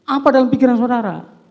apa dalam pikiran saudara